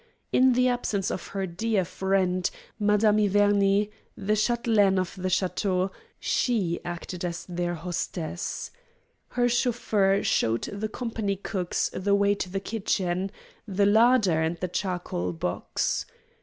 In the absence of her dear friend, Madame Iverney, the châtelaine of the château, she acted as their hostess. Her chauffeur showed the company cooks the way to the kitchen, the larder, and the charcoal box.